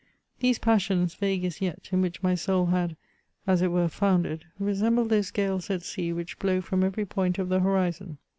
These passions, vague as yet, in which my soul had, as it were, foundered, resembled those gales at sea which blow from every point of the horizon.